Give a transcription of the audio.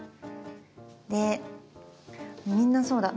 でみんなそうだ。